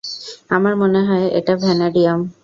আমার মনে হয় এটা ভ্যানাডিয়াম!